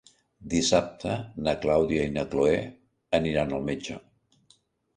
Dissabte na Clàudia i na Cloè aniran al metge.